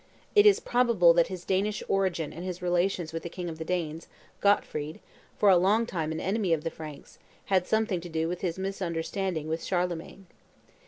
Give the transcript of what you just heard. It is probable that his Danish origin and his relations with the king of the Danes, Gottfried, for a long time an enemy of the Franks, had something to do with his misunderstanding with Charlemagne.